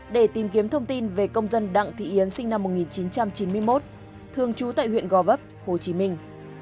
để tìm kiếm thông tin về công dân đặng thị yến sinh năm một nghìn chín trăm chín mươi một thường trú tại huyện gò vấp hồ chí minh